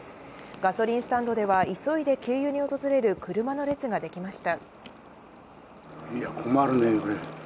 ガソリンスタンドでは急いで給油に訪れる車の列ができました。